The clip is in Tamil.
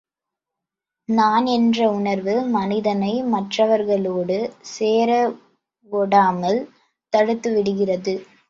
நான் என்ற உணர்வு மனிதனை, மற்றவர்களோடு சேரவொட்டாமல் தடுத்துவிடுகிறது.